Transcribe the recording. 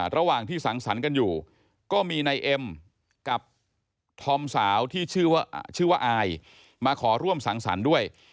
ระหว่างที่สังสรรค์กันอยู่ก็มีนายเอ็มกับธอมสาวที่ชื่อว่าอายมาขอร่วมสังสรรค์ด้วย